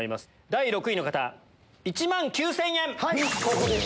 第６位の方１万９０００円。